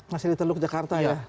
masih di teluk jakarta ya